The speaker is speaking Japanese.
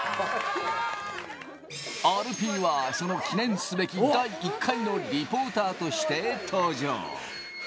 アルピーは、その記念すべき第１回のリポーターとして登場。